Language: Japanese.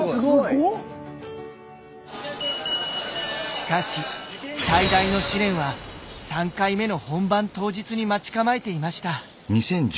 しかし最大の試練は３回目の本番当日に待ち構えていました。